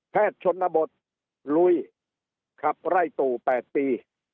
แพทย์ชนบทลุยขับไร่ตู่๘ปี